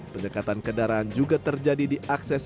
penyekatan kendaraan juga terjadi di akses